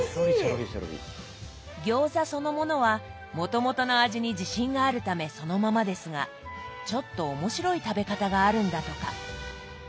餃子そのものはもともとの味に自信があるためそのままですがちょっと面白い食べ方があるんだとか。